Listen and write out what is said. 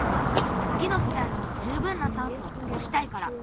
つぎのせだいにじゅうぶんなさんそをのこしたいから。